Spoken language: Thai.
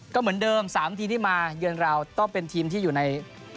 ก็เหมือนเดิม๓ทีมที่มาเยือนเราต้องเป็นทีมที่อยู่ใน